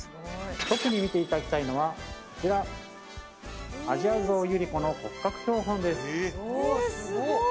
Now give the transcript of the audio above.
特に見ていただきたいのはこちらアジアゾウユリ子の骨格標本です